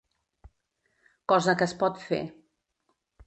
Cosa que es pot fer.